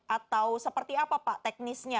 atau seperti apa pak teknisnya